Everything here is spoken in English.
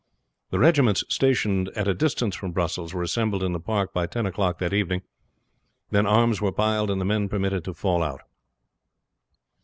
The regiments stationed at a distance from Brussels were assembled in the park by ten o'clock in the evening; then arms were piled, and the men permitted to fall out.